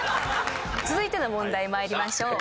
続いての問題まいりましょう。